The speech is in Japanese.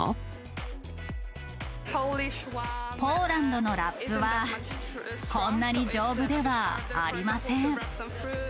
ポーランドのラップは、こんなに丈夫ではありません。